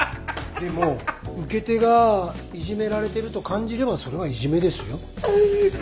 でも受け手がいじめられてると感じればそれはいじめですよ。